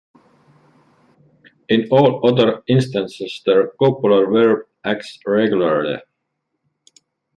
In all other instances the copular verb acts regularly.